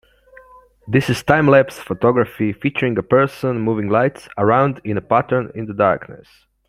This is time lapse photography featuring a person moving lights around in a pattern in the darkness